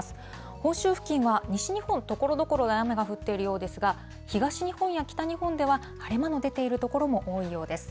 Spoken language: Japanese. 本州付近は西日本、ところどころで雨が降っているようですが、東日本や北日本では、晴れ間の出ている所も多いようです。